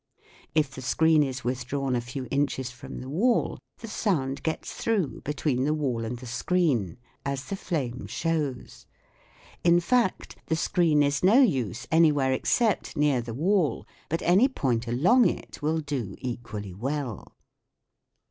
If the screen is withdrawn a few inches from the wall, the sound gets through between the wall and the screen, as the flame shows. In fact, the screen is no use anywhere except near the wall ; but any point along it will do equally well.